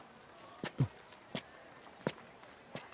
あっ。